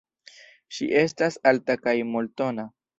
Ŝi estas alta kaj mol-tona.